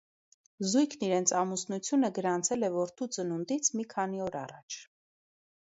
Զույգն իրենց ամուսնությունը գրանցել է որդու ծնունդից մի քանի օր առաջ։